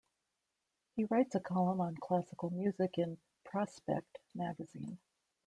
He writes a column on classical music in "Prospect" magazine.